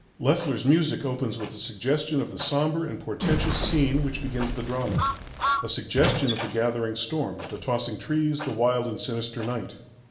Loeffler's music opens with a suggestion of the sombre and portentous scene which begins the drama; a suggestion of the gathering storm, the tossing trees, the wild and sinister night.